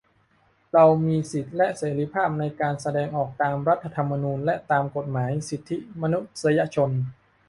เรามีสิทธิและเสรีภาพในการแสดงออกตามรัฐธรรมนูญ และตามกฎหมายสิทธิมนุษยชน